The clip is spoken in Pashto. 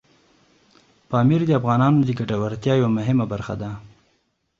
پامیر د افغانانو د ګټورتیا یوه مهمه برخه ده.